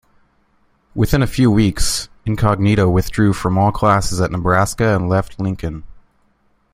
Within a few weeks, Incognito withdrew from all classes at Nebraska and left Lincoln.